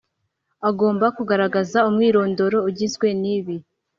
Agomba kugaragaza umwirondoro ugizwe n ibi